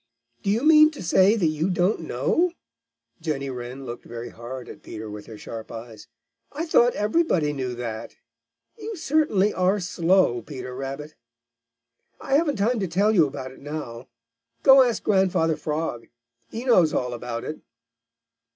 "Do you mean to say that you don't know?" Jenny Wren looked very hard at Peter with her sharp eyes. "I thought everybody knew that! You certainly are slow, Peter Rabbit. I haven't time to tell you about it now. Go ask Grandfather Frog; he knows all about it."